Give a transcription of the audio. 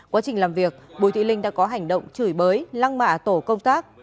quá trình làm việc bùi thị linh đã có hành động chửi bới lăng mạ tổ công tác